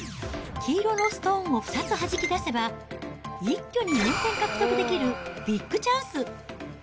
黄色のストーンを２つはじきだせば、一挙に４点獲得できるビッグチャンス。